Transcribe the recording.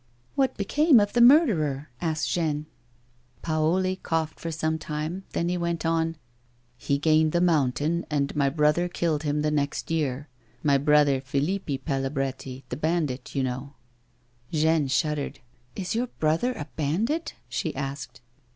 " What became of the murderer 1 " asked Jeanne. Paoli coughed for some time, then he went on :" He gained the mountain, and my brother killed him the next year. My brother, Philippi Palabretti, the bandit, you know." Jeanne shuddered, "Is your brother a bandit?" she asked.